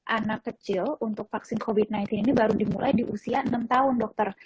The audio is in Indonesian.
anak kecil untuk vaksin covid sembilan belas ini baru dimulai di usia enam tahun dokter